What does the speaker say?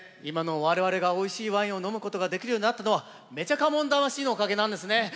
今の我々がおいしいワインを飲むことができるようになったのはめちゃかもん魂のおかげなんですね。